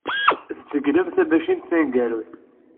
Tzeglem tamacint taneggarut.